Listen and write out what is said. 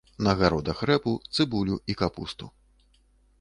На гародах рэпу, цыбулю і капусту.